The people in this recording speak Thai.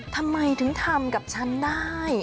ทำไมถึงทำกับฉันได้